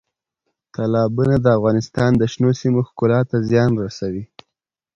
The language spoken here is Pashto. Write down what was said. تالابونه د افغانستان د شنو سیمو ښکلا ته زیان رسوي.